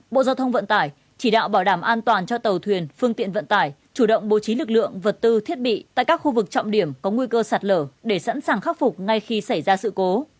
bộ giao thông vận tải chỉ đạo bảo đảm an toàn cho tàu thuyền phương tiện vận tải chủ động bố trí lực lượng vật tư thiết bị tại các khu vực trọng điểm có nguy cơ sạt lở để sẵn sàng khắc phục ngay khi xảy ra sự cố